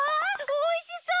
おいしそう！